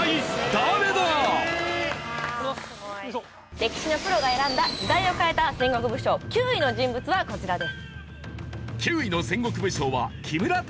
歴史のプロが選んだ時代を変えた戦国武将９位の人物はこちらです。